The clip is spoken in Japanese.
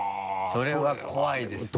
それは怖いですね。